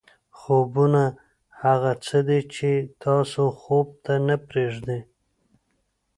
خوبونه هغه څه دي چې تاسو خوب ته نه پرېږدي.